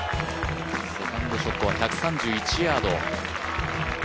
セカンドショットは１３１ヤード。